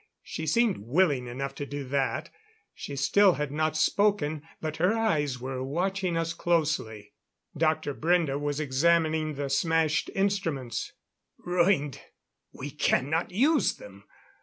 She seemed willing enough to do that; she still had not spoken, but her eyes were watching us closely. Dr. Brende was examining the smashed instruments. "Ruined. We cannot use them.